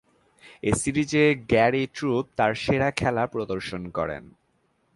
এ সিরিজে Gary Troup তার সেরা খেলা প্রদর্শন করেন।